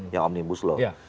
yang omnibus loh